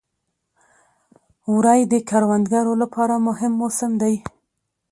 وری د کروندګرو لپاره مهم موسم دی.